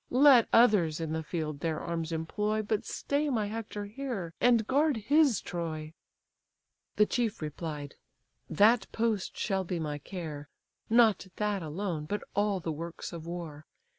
Let others in the field their arms employ, But stay my Hector here, and guard his Troy." The chief replied: "That post shall be my care, Not that alone, but all the works of war.